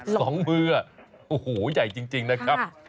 สองมือโอ้โหใหญ่จริงนะครับ